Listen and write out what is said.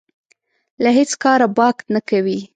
له هېڅ کاره باک نه کوي.